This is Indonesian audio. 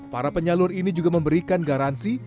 para penyalur ini juga memberikan garansi